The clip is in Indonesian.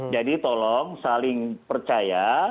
jadi tolong saling percaya